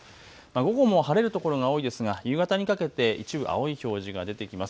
午後も晴れる所が多いですが夕方にかけて一部、青い表示が出てきます。